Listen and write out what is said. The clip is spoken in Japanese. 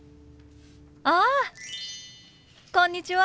あ！こんにちは。